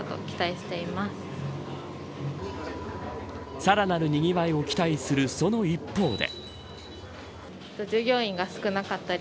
さらなるにぎわいを期待するその一方で。